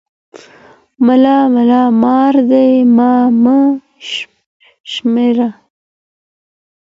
ملا ملا مار دی، ما مه شمېره.